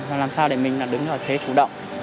và làm sao để mình đứng ở thế chủ động